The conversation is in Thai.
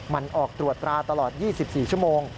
มันออกตรวจตราตลอด๒๔ชั่วโมง